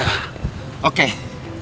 terima kasih pak